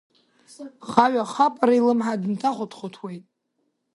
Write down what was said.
ХаҩаХапара илымҳа дынҭахәыҭхәыҭуеит.